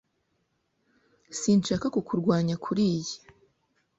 Sinshaka kukurwanya kuriyi.